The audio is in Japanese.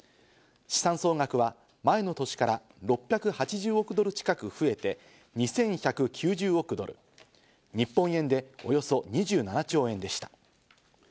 資産総額は前の年から６８０億ドル近く増えて２１９０億ドル、日本円でおよそ２７兆円でした。